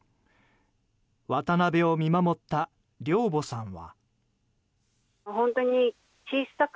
渡辺を見守った寮母さんは。